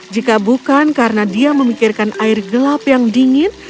jika bukan karena dia memikirkan air gelap yang dingin